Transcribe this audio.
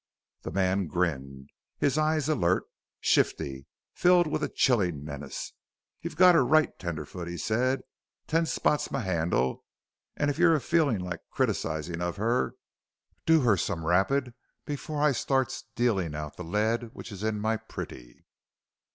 The man grinned, his eyes alert, shifty, filled with a chilling menace. "You've got her right, tenderfoot," he said; "'Ten Spot's' m' handle, an' if you're a feelin' like criticizin' of her do her some rapid before I starts dealin' out the lead which is in my pritty."